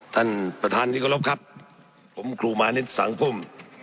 ท่านประธานที่เคารพครับผมครูมานิดสังพุ่ม